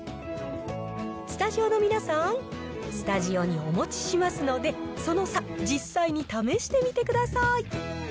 スタジオの皆さん、スタジオにお持ちしますので、その差、実際に試してみてください。